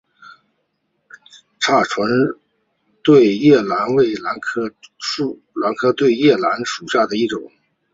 叉唇对叶兰为兰科对叶兰属下的一个种。